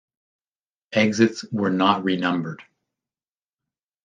Exits were not renumbered.